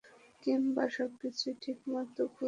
কিংবা সবকিছুকে ঠিকমতো গুরুত্ব দেইনি?